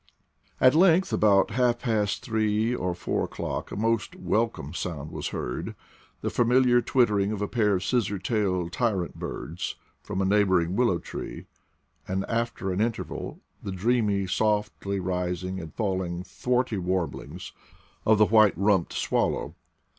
At length, about half past three to four o'clock a most welcome sound was heard — the familiar twittering of a pair of scissor tail tyrant birds from a neighboring willow tree; and after an in terval, the dreamy, softly rising and falling, throaty warblings of the white rumped swallow.